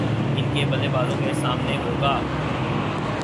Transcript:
ان کے بلے بازوں کے سامنے ہو گا